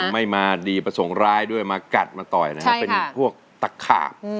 ไม่มาดีประสงค์ร้ายด้วยมากัดมาต่อยมีพวกตะขาบ